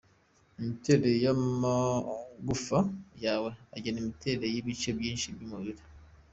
Imiterere y’amagufa yawe agena imiterere y’ibice byinshi by’umubiri.